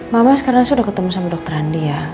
mama sekarang sudah ketemu sama dokter andi ya